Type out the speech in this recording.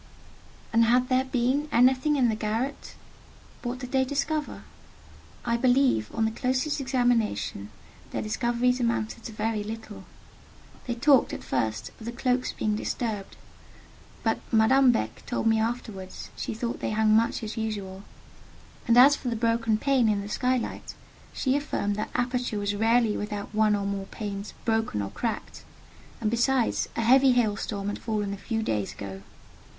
And had there been anything in the garret? What did they discover? I believe, on the closest examination, their discoveries amounted to very little. They talked, at first, of the cloaks being disturbed; but Madame Beck told me afterwards she thought they hung much as usual: and as for the broken pane in the skylight, she affirmed that aperture was rarely without one or more panes broken or cracked: and besides, a heavy hail storm had fallen a few days ago.